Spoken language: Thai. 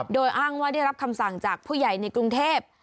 โดยอ้างว่าได้รับคำสั่งจากผู้ใหญ่ในกรุงเทพ